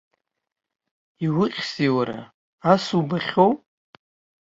Иухьзеи уара, ас убахьоу?